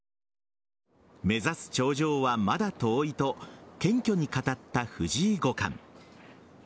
目指す頂上はまだ遠いと謙虚に語った藤井五冠。